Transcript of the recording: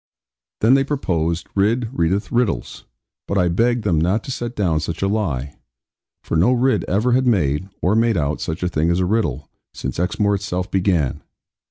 Then they proposed, 'Ridd readeth riddles': but I begged them not to set down such a lie; for no Ridd ever had made, or made out, such a thing as a riddle, since Exmoor itself began.